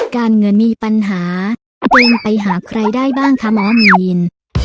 การเงินมีปัญหาเดินไปหาใครได้บ้างคะหมอมีน